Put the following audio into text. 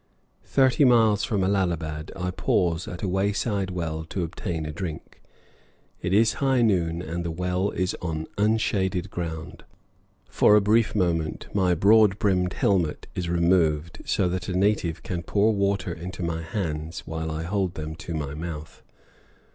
Thirty miles from Allahabad, I pause at a wayside well to obtain a drink. It is high noon, and the well is on unshaded ground. For a brief moment my broad brimmed helmet is removed so that a native can pour water into my hands while I hold them to my mouth.